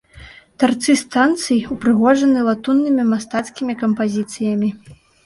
Тарцы станцыі ўпрыгожаны латуннымі мастацкімі кампазіцыямі.